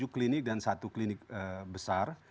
tujuh klinik dan satu klinik besar